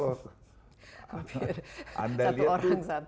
hampir satu orang satu motor